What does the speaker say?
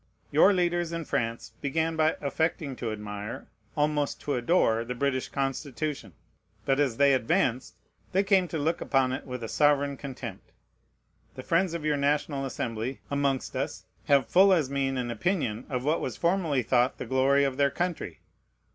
Your leaders in France began by affecting to admire, almost to adore, the British Constitution; but as they advanced, they came to look upon it with a sovereign contempt. The friends of your National Assembly amongst us have full as mean an opinion of what was formerly thought the glory of their country.